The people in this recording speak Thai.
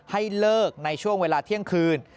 ให้เลิกในช่วงเวลาเที่ยงคืน